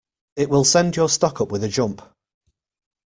It will send your stock up with a jump.